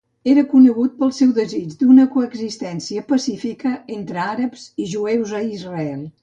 Era conegut pel seu desig d'una coexistència pacífica entre àrabs i jueus a Israel.